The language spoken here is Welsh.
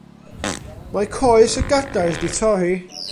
Mae coes y gadair 'di torri.